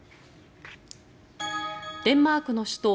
デンマークの首都